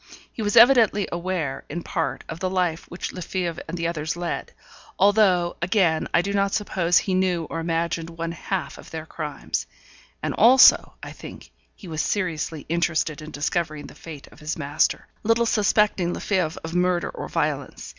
He was evidently aware, in part, of the life which Lefebvre and the others led; although, again, I do not suppose he knew or imagined one half of their crimes; and also, I think, he was seriously interested in discovering the fate of his master, little suspecting Lefebvre of murder or violence.